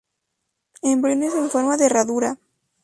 Embriones en forma de herradura.